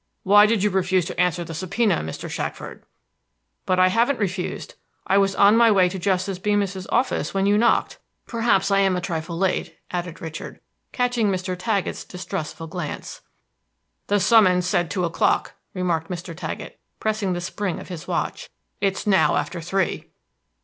"Why did you refuse to answer the subpoena, Mr. Shackford?" "But I haven't refused. I was on my way to Justice Beemis's office when you knocked. Perhaps I am a trifle late," added Richard, catching Mr. Taggett's distrustful glance. "The summons said two o'clock," remarked Mr. Taggett, pressing the spring of his watch. "It is now after three."